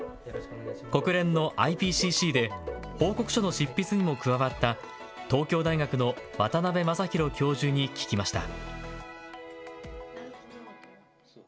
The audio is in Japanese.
国連のＩＰＣＣで報告書の執筆にも加わった東京大学の渡部雅浩教授に聞きました。